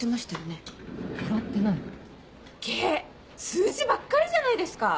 数字ばっかりじゃないですか。